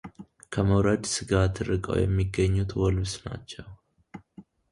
ከመውረድ ስጋት ርቀው የሚገኙት ዎልቭስ ናቸው።